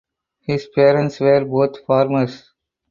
His parents were both farmers.